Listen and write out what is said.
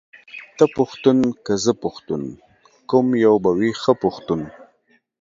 ته پښتون که زه پښتون ، کوم يو به وي ښه پښتون ،